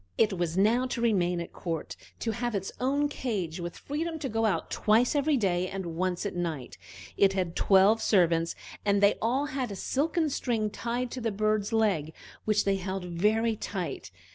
It was now to remain at court, to have its own cage, with freedom to go out twice every day and once at night. It had twelve servants, and they all had a silken string tied to the bird's leg which they held very tight.